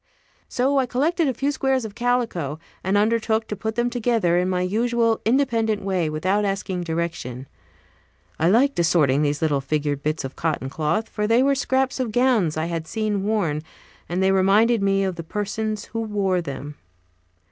So I collected a few squares of calico, and undertook to put them together in my usual independent way, without asking direction. I liked assorting those little figured bits of cotton cloth, for they were scraps of gowns I had seen worn, and they reminded me of the persons who wore them.